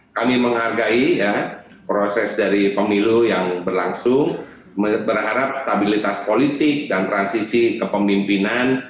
kami menghargai proses dari pemilu yang berlangsung berharap stabilitas politik dan transisi kepemimpinan